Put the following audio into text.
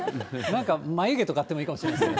眉毛とかあってもいいかもしれませんね。